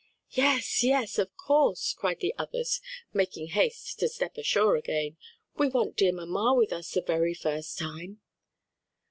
"Yes, yes, of course!" cried the others making haste to step ashore again, "we want dear mamma with us the very first time."